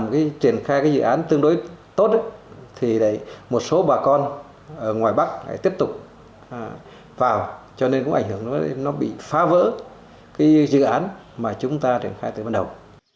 khi truyền khai dự án tương đối tốt một số bà con ở ngoài bắc lại tiếp tục vào cho nên cũng ảnh hưởng nó bị phá vỡ dự án mà chúng ta truyền khai từ bắt đầu